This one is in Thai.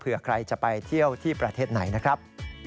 ใครจะไปเที่ยวที่ประเทศไหนนะครับ